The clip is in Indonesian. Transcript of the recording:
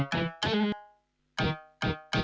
ya aku mau